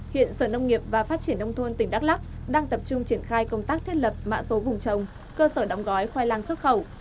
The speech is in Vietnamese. hiện sở nông nghiệp và phát triển nông thôn tỉnh đắk lắc đang tập trung triển khai công tác thiết lập mạ số vùng trồng cơ sở đóng gói khoai lang xuất khẩu